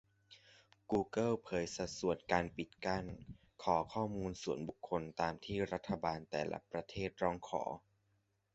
กูเกิลเผยสัดส่วนการปิดกั้น-ขอข้อมูลส่วนบุคคลตามที่รัฐบาลแต่ละประเทศร้องขอ